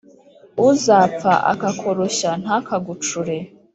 Uzapfa akakurushya ntakagucure.